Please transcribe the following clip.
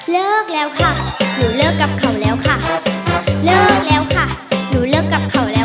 เลิกแล้วค่ะหนูเลิกกับเขาแล้วค่ะ